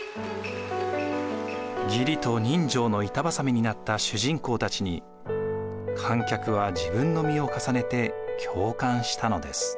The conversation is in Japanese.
義理と人情の板挟みになった主人公たちに観客は自分の身を重ねて共感したのです。